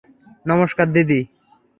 নমষ্কার, দিদি।